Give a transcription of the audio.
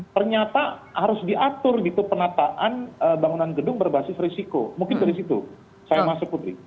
ternyata harus diatur gitu penataan bangunan gedung berbasis risiko mungkin dari situ saya masuk putri